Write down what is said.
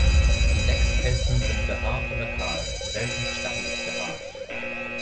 Die Deckspelzen sind behaart oder kahl, selten stachelig behaart.